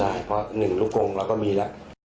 ใช่เพราะ๑ลูกกงเราก็มีแล้ว